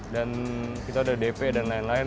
dan kita udah dp dan lain lain